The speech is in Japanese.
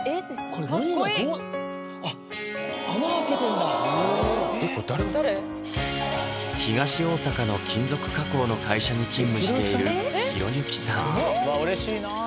これどうあっ東大阪の金属加工の会社に勤務している裕之さん